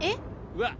うわっ！